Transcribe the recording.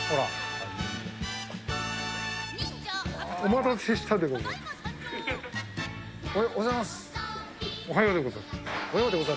お待たせしたでござる。